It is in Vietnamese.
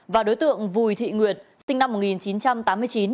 và đối tượng bùi thị nguyệt sinh năm một nghìn chín trăm tám mươi chín